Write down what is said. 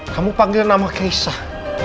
kamu panggil nama keisah